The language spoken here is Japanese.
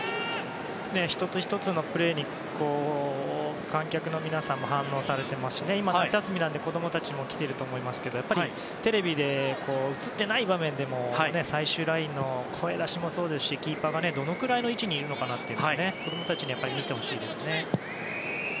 １つ１つのプレーに観客の皆さんも反応されてますし今、夏休みなので子供たちも来ていると思いますがやっぱりテレビで映っていない場面でも最終ラインの声出しもそうですしキーパーが、どのくらいの位置にいるのかなっていうのも子供たちにもやっぱり見てほしいですね。